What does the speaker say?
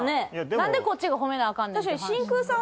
なんでこっちが褒めなアカン。